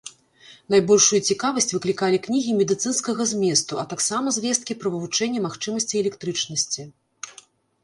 Найбольшую цікавасць выклікалі кнігі медыцынскага зместу, а таксама звесткі пра вывучэнне магчымасцей электрычнасці.